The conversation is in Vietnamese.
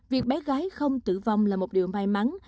việc bé gái không tử vong là một điều may mắn